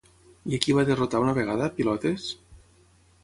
I a qui va derrotar una vegada, Pilotes?